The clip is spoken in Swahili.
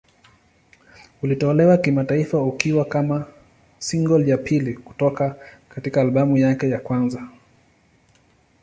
Ulitolewa kimataifa ukiwa kama single ya pili kutoka katika albamu yake ya kwanza.